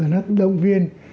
nó động viên